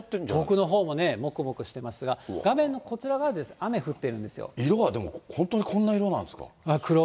遠くのほうもね、もくもくしてますが、画面のこちら側ですね、色がでも、本当にこんな色なんですか？